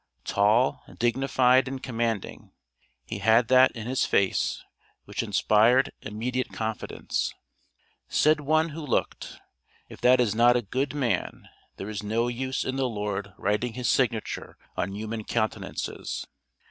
Tall, dignified, and commanding, he had that in his face which inspired immediate confidence. Said one who looked: "If that is not a good man, there is no use in the Lord writing His signature on human countenances."